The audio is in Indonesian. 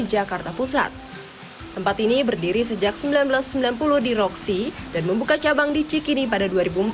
jakarta pusat tempat ini berdiri sejak seribu sembilan ratus sembilan puluh di roksi dan membuka cabang di cikini pada dua ribu empat